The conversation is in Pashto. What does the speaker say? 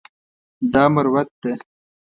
دا مروت ده.